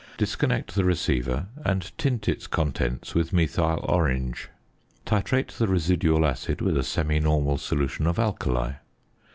Disconnect the receiver, and tint its contents with methyl orange. Titrate the residual acid with a semi normal solution of alkali.